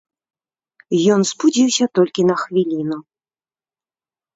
Ён спудзіўся толькі на хвіліну.